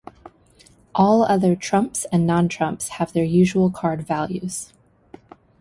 All other trumps and non-trumps have their usual card-values.